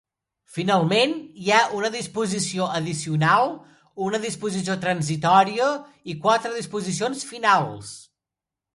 Finalment hi ha una disposició addicional, una disposició transitòria i quatre disposicions finals.